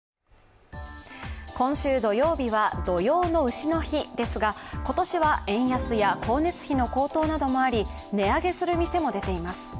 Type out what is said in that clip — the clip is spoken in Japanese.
今週土曜日は土用のうしの日ですが、今年は円安や光熱費の高騰などもあり値上げする店も出ています。